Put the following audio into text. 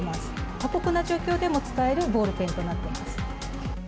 過酷な状況でも使えるボールペンとなっています。